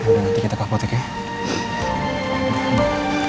nanti kita ke apotek ya